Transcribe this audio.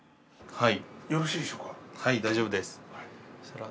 はい。